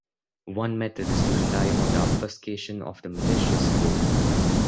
One method is to rely on the obfuscation of the malicious code.